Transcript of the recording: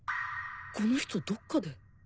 この人どっかで